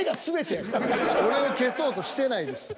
俺を消そうとしてないです。